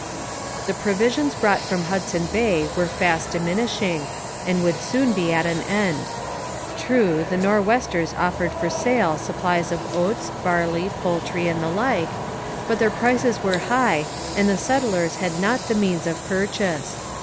The provisions brought from Hudson Bay were fast diminishing and would soon be at an end. True, the Nor'westers offered for sale supplies of oats, barley, poultry, and the like, but their prices were high and the settlers had not the means of purchase.